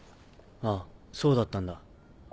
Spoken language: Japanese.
あそうだったんだ。